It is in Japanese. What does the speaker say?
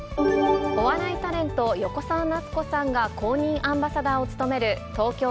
お笑いタレント、横澤夏子さんが公認アンバサダーを務める、Ｔｏｋｙｏ